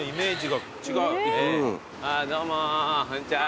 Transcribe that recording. どうもこんにちは。